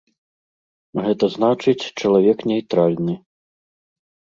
Гэта значыць, чалавек нейтральны.